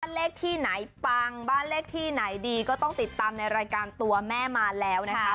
เลขที่ไหนปังบ้านเลขที่ไหนดีก็ต้องติดตามในรายการตัวแม่มาแล้วนะคะ